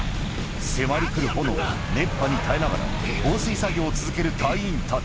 迫り来る炎熱波に耐えながら放水作業を続ける隊員たち